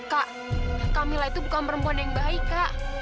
kak camilla itu bukan perempuan yang baik kak